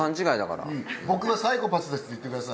「僕はサイコパスです」って言ってください。